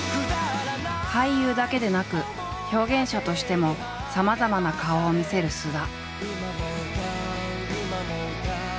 俳優だけでなく表現者としてもさまざまな顔を見せる菅田。